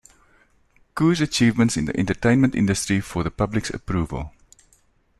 Ku's achievements in the entertainment industry for the public's approval.